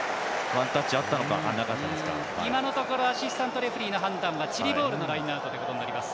今のところアシスタントレフリーの判断はチリボールのラインアウトとなります。